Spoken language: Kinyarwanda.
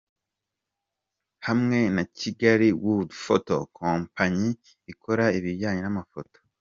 rw hamwe na Kigaliwood Photo, kompanyi ikora ibijyanye n’amafoto.